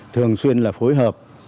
thường xuyên là phối hợp